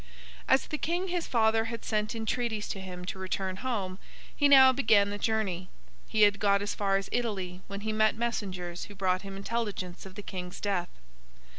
As the King his father had sent entreaties to him to return home, he now began the journey. He had got as far as Italy, when he met messengers who brought him intelligence of the King's death.